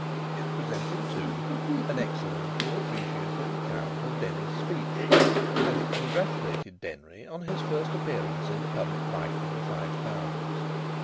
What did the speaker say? It presented, too, an excellently appreciative account of Denry's speech, and it congratulated Denry on his first appearance in the public life of the Five Towns.